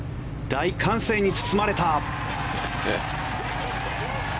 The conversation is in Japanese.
大歓声に包まれた。